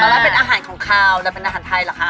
แล้วเป็นอาหารของคาวแต่เป็นอาหารไทยเหรอคะ